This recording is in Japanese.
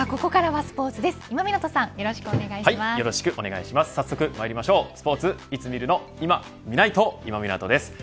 スポーツいつ見るのいまみないと、今湊です。